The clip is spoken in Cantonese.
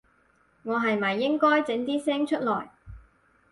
我係咪應該整啲聲出來